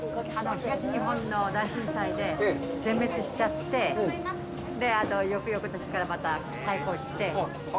東日本の大震災で全滅しちゃって翌々年から、また再興して。